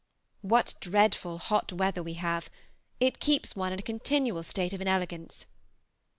What dreadful hot weather we have! It keeps one in a continual state of inelegance.